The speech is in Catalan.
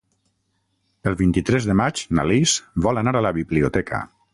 El vint-i-tres de maig na Lis vol anar a la biblioteca.